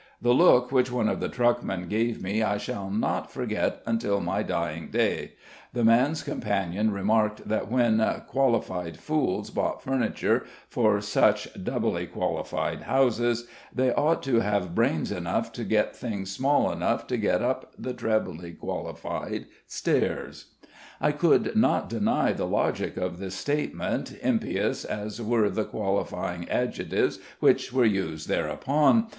The look which one of the truckmen gave me I shall not Forget until my dying day; the man's companion remarked that when (qualified) fools bought furniture for such (doubly qualified) houses, they ought to have brains enough to get things small enough to get up the (trebly qualified) stairs. I could not deny the logic of this statement, impious as were the qualifying adjectives which were used thereupon.